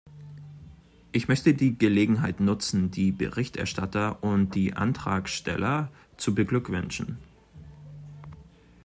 Ich möchte die Gelegenheit nutzen, die Berichterstatter und die Antragsteller zu beglückwünschen.